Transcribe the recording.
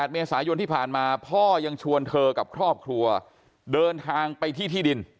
เมษายนที่ผ่านมาพ่อยังชวนเธอกับครอบครัวเดินทางไปที่ที่ดิน